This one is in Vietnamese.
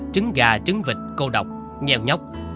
trứng gà trứng vịt cô độc nghèo nhóc